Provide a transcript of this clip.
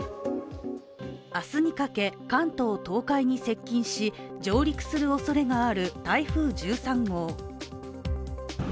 明日にかけ関東・東海に接近し上陸するおそれがある台風１３号。